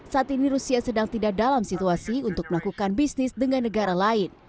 saat ini rusia sedang tidak dalam situasi untuk melakukan bisnis dengan negara lain